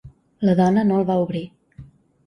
La dona no el va obrir.